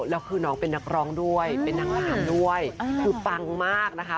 แล้วคือน้องเป็นนักร้องด้วยเป็นนางงามด้วยคือปังมากนะคะ